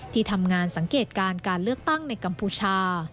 ที่ทำงานสังเกตการการเลือกตั้งในกัมพูชา